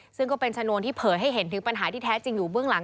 ซึ่งก็เป็นชนวนที่เผยให้เห็นถึงปัญหาที่แท้จริงอยู่เบื้องหลัง